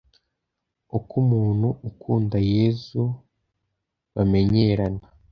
Uko umuntu ukunda yezu bamenyerana